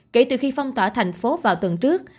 kể từ khi phong tỏa thành phố vào tuần trước